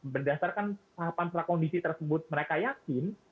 berdasarkan tahapan prakondisi tersebut mereka yakin